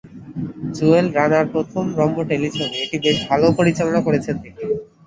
জুয়েল রানার প্রথম রম্য টেলিছবি এটি, বেশ ভালো পরিচালনা করেছেন তিনি।